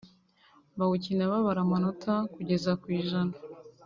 bawukina babara amanota kugeza ku ijana